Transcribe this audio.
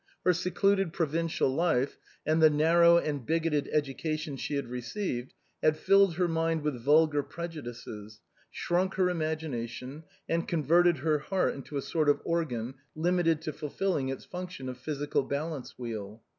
Her secluded provincial life, and the narrow and bigoted education she had received, had filled her mind with vulgar prejudices, shrunk her imagina tion, and converted her heart into a sort of organ, limited to fulfilling its function of physical balance wheel.